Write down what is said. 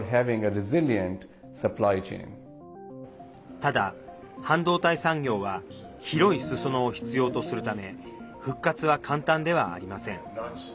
ただ、半導体産業は広いすそ野を必要とするため復活は簡単ではありません。